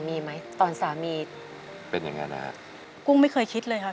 เปลี่ยนเพลงเพลงเก่งของคุณและข้ามผิดได้๑คำ